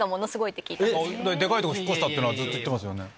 でかいとこ引っ越したってずっと言ってますよね。